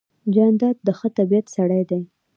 جانداد د ښه طبیعت سړی دی.